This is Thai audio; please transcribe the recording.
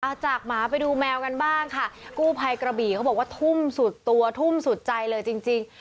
เอาจากหมาไปดูแมวกันบ้างค่ะกู้ภัยกระบี่เขาบอกว่าทุ่มสุดตัวทุ่มสุดใจเลยจริงจริง